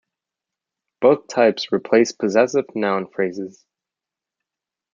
Both types replace possessive noun phrases.